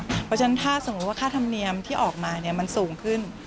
เพราะฉะนั้นถ้าสมมุติว่าค่าธรรมเนียมที่ออกมามันสูงขึ้น